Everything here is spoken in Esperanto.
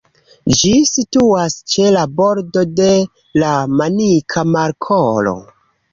Ĝi situas ĉe la bordo de la Manika Markolo.